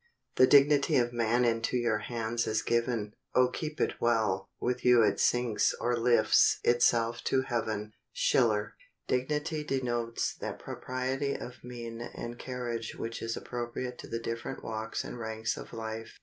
] "The dignity of man into your hands is given, Oh keep it well, with you it sinks or lifts itself to heaven." —SCHILLER. Dignity denotes that propriety of mien and carriage which is appropriate to the different walks and ranks of life.